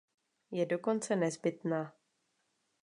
Je dokonce nezbytná.